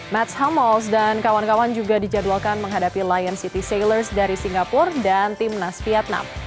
mats hamels dan kawan kawan juga dijadwalkan menghadapi lion city sailors dari singapura dan tim nas vietnam